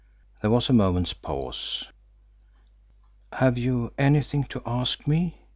There was a moment's pause. "Have you anything to ask me?"